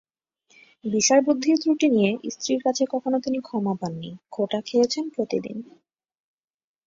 বিষয়বুদ্ধির ত্রুটি নিয়ে স্ত্রীর কাছে কখনো তিনি ক্ষমা পান নি, খোঁটা খেয়েছেন প্রতিদিন।